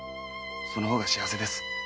その方が幸せです。